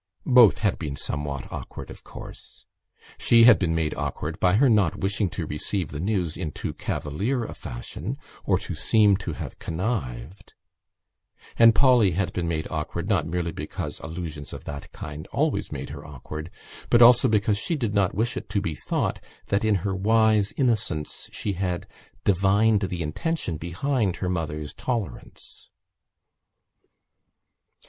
Both had been somewhat awkward, of course. She had been made awkward by her not wishing to receive the news in too cavalier a fashion or to seem to have connived and Polly had been made awkward not merely because allusions of that kind always made her awkward but also because she did not wish it to be thought that in her wise innocence she had divined the intention behind her mother's tolerance.